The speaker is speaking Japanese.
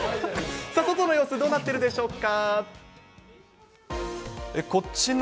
さあ、外の様子どうなってるでしょうか。